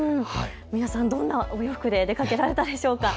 皆さん、どんなお洋服で出かけられたんでしょうか。